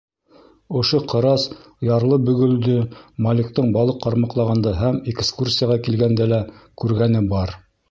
Ошо ҡырас ярлы бөгөлдө Маликтың балыҡ ҡармаҡлағанда һәм экскурсияға килгәндә лә күргәне бар.